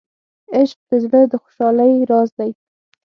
عشق د زړه د خوشحالۍ راز دی.